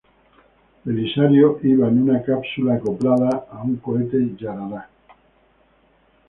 Belisario iba en una cápsula acoplada a un cohete Yarará.